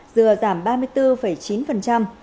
dừa giảm ba mươi bốn chín